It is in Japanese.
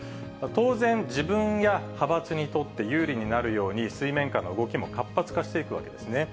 当然、自分や派閥にとって有利になるように、水面下の動きも活発化していくわけですね。